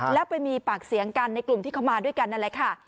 แล้วไปมีปากเสียงกันในกลุ่มที่เขามาด้วยกันนั่นแหละค่ะ